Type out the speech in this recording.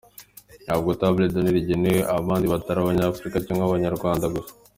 “Ntabwo ’table d’honneur’ igenewe abandi batari Abanyafurika cyangwa Abanyarwanda gusa.